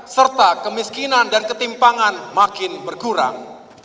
serta kemiskinan dan ketimpangan makin berkurang